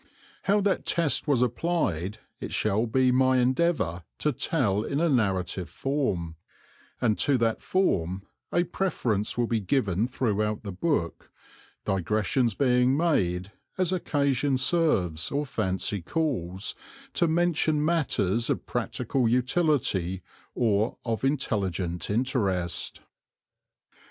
How that test was applied it shall be my endeavour to tell in a narrative form, and to that form a preference will be given throughout the book, digressions being made, as occasion serves or fancy calls, to mention matters of practical utility or of intelligent interest.